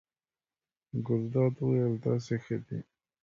ګلداد وویل: داسې ښه دی.